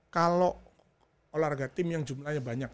kalau olahraga tim yang jumlahnya banyak